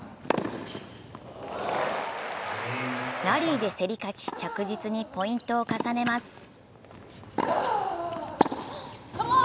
ラリーで競り勝ち着実にポイントを重ねます。